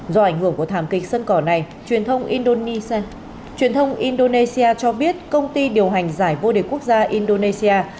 do ảnh hưởng của thảm kịch sân cỏ này truyền thông indonesia cho biết công ty điều hành giải vô địch quốc gia indonesia